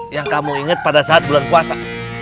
yang kamu ingat pada saat bulan puasa